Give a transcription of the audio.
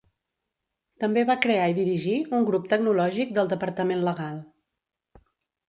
També va crear i dirigir un grup tecnològic del departament legal.